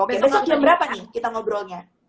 oke besok jam berapa nih kita ngobrolnya